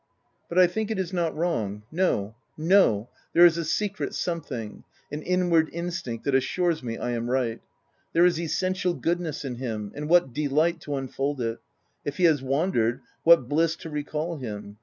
But I think it is not wrong — no, no — there is a secret something — an inward instinct that assures me I am right. There is essential good ness in him ;— and what delight to unfold it ! If he has wandered, what bliss to recall him